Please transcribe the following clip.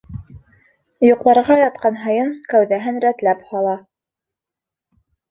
Йоҡларға ятҡан һайын кәүҙәһен рәтләп һала.